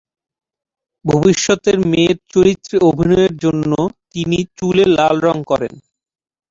ভবিষ্যতের মেয়ের চরিত্রে অভিনয়ের জন্য তিনি চুলে লাল রং করেন।